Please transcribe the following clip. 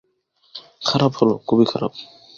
খারাপ হলো, খুবই খারাপ।